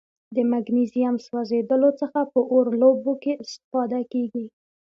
د مګنیزیم سوځیدلو څخه په اور لوبو کې استفاده کیږي.